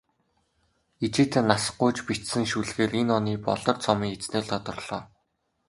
Ижийдээ нас гуйж бичсэн шүлгээр энэ оны "Болор цом"-ын эзнээр тодорлоо.